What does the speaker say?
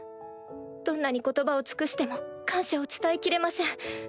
どんなに言葉を尽くしても感謝を伝えきれません。